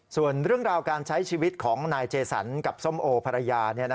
ส่วนเรื่องราวการใช้ชีวิตของนายเจสันกับส้มโอภรรยา